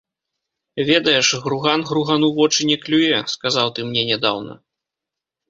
Ведаеш, груган гругану вочы не клюе, сказаў ты мне нядаўна.